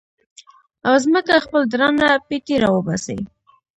او ځمکه خپل درانه پېټي را وباسي